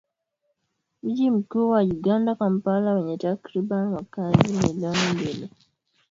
Mji mkuu wa Uganda, Kampala wenye takribani wakazi milioni mbili.